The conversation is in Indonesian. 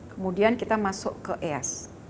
kemudian kita masuk ke es